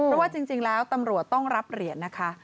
เพราะว่าจริงแล้วตำรวจต้องรับเหรียญนะคะ